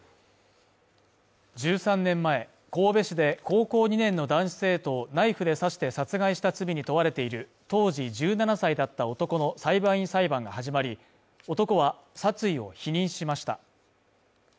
１３年前、神戸市で高校２年の男子生徒をナイフで刺して殺害した罪に問われている当時１７歳だった男の裁判員裁判が始まり、男は殺意を否認しました。